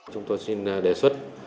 chúng tôi xin đề xuất